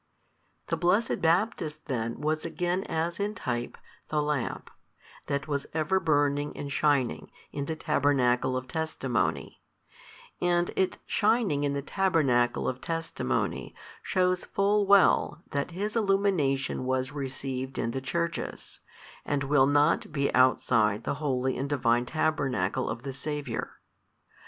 The blessed Baptist then was again as in type the lamp, that was ever burning and shining in the tabernacle of testimony: and its shining in the tabernacle of testimony shews full well that his illumination was received in the churches, and will not be outside the holy and Divine Tabernacle of the Saviour.